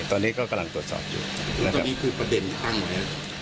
ตอนนี้ก็กำลังตรวจสอบอยู่นะครับแล้วตอนนี้คือประเด็นตั้งไว้หรือ